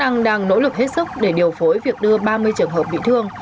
chức năng đang nỗ lực hết sức để điều phối việc đưa ba mươi trường hợp bị thương